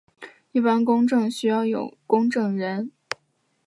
一般公证需要有公证人。